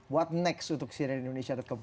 what next untuk cnnindonesia com